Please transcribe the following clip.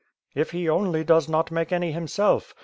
"If he only does not make any himself!